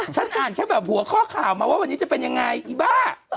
ฉันอ่านแค่แบบหัวข้อข่าวมาว่าวันนี้จะเป็นยังไงอีบ้า